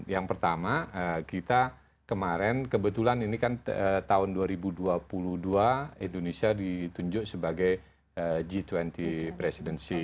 yang pertama kita kemarin kebetulan ini kan tahun dua ribu dua puluh dua indonesia ditunjuk sebagai g dua puluh presidenc